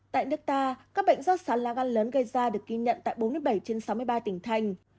tại nước ta các bệnh do xà lá gan lớn gây ra được ghi nhận tại bốn mươi bảy trên sáu mươi ba tỉnh thành